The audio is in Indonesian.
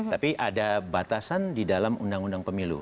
tapi ada batasan di dalam undang undang pemilu